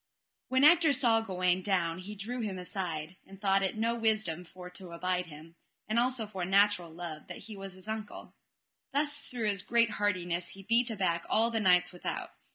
When Ector saw Gawaine down he drew him aside, and thought it no wisdom for to abide him, and also for natural love, that he was his uncle. Thus through his great hardiness he beat aback all the knights without.